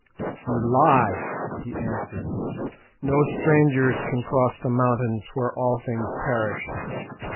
"You lie," he answered; "no strangers can cross the mountains where all things perish.